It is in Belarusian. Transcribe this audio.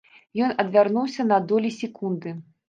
Ён адвярнуўся на долі секунды.